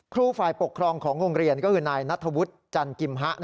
ครูฝ่ายปกครองของโรงเรียนก็คือนายนัทธวุฒิจันกิมฮะ